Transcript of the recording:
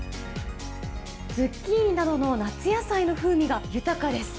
ズッキーニなどの夏野菜の風味が、豊かです。